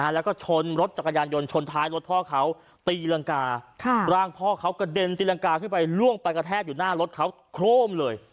แล้วก็ชนรถจักรยานยนต์ชนท้ายรถพ่อเขาตีรังการ่างพ่อเขากระเด็นตีรังกาขึ้นไปล่วงไปกระแทกอยู่หน้ารถเขาโครมเลย